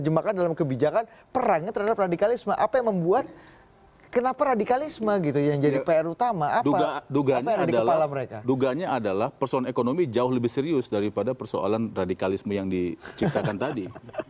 masukin ekonomi jauh lebih serius daripada persoalan radikalisme yang diciptakan tadi